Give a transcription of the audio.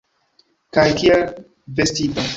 Kaj kiel vestita!